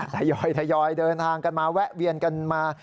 ทยอยเดินทางกันมาแวะเวียนกันมา